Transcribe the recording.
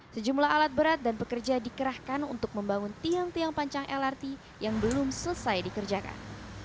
sejumlah alat berat dan pekerja dikerahkan untuk membangun tiang tiang panjang lrt yang belum selesai dikerjakan